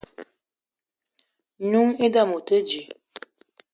N'noung i dame o te dji.